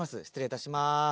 失礼いたします。